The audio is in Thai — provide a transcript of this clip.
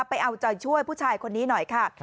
ไปเอาใจช่วยผู้ชายคนนี้หน่อยค่ะ